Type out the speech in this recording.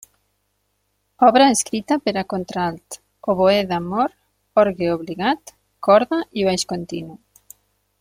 Obra escrita per a contralt, oboè d’amor, orgue obligat, corda i baix continu.